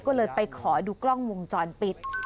ก็เลยไปขอดูกล้องวงจรปิด